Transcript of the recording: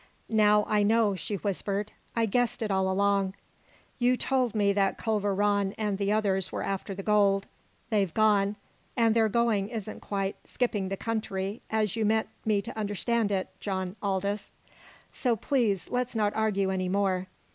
"Now I know," she whispered. "I guessed it all along. You told me that Culver Rann and the others were after the gold. They've gone and their going isn't quite 'skipping the country' as you meant me to understand it, John Aldous! So please let's not argue any more.